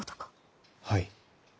はい。